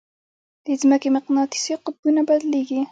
د ځمکې مقناطیسي قطبونه بدلېږي.